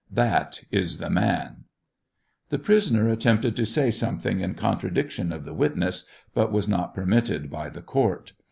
That is the man. The prisoner attempted to say something in contradiction of the witness, but was not permitted by the court.